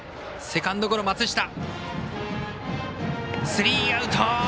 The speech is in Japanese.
スリーアウト。